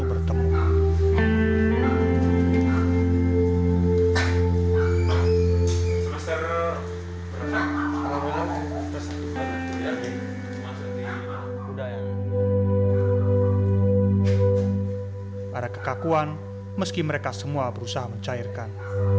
ada kekakuan meski mereka semua berusaha mencairkan